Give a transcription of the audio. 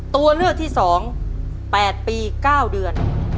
ตัวเลือกที่๒๘ปี๙เดือน